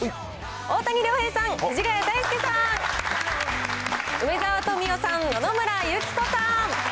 大谷亮平さん、藤ヶ谷太輔さん、梅沢富美男さん、野々村友紀子さん。